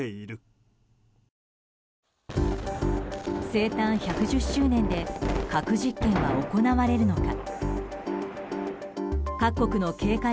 生誕１１０周年で核実験は行われるのか。